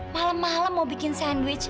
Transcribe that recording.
malam malam mau bikin sandwich